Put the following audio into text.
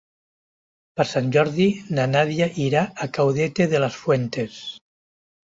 Per Sant Jordi na Nàdia irà a Caudete de las Fuentes.